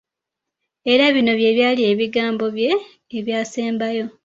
Era bino bye byali ebigambo bye ebyasembayo!